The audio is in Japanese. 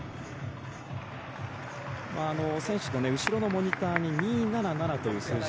選手の後ろのモニターに２７７という数字